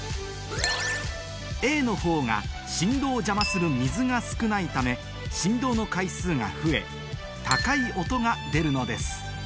Ａのほうが振動を邪魔する水が少ないため振動の回数が増え高い音が出るのです